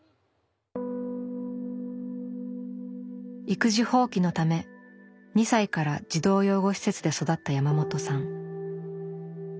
育児放棄のため２歳から児童養護施設で育った山本さん。